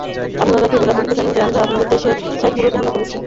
আপনারা কেবল এটুকু জানেন যে, আমরা আপনাদের দেশের সাইটগুলোতে হামলা চালাচ্ছি।